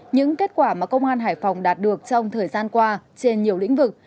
những kết quả mà công an hải phòng đạt được trong thời gian qua trên nhiều lĩnh vực